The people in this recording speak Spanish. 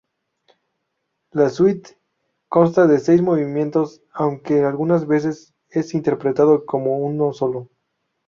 La suite consta de seis movimientos, aunque algunas veces es interpretado como uno solo.